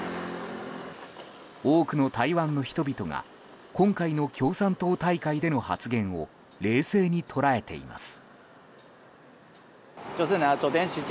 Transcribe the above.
多くの台湾の人々が今回の共産党大会での発言を冷静に捉えています。